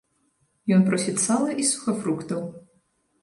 Ён просіць сала і сухафруктаў.